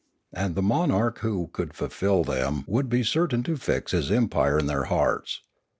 And the mon arch who could fulfil them would be certain to fix his empire in their hearts.